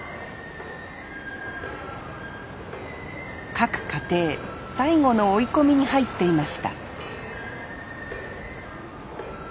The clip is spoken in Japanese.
各家庭最後の追い込みに入っていました